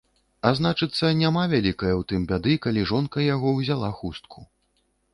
А значыцца, няма вялікае ў тым бяды, калі жонка яго ўзяла хустку.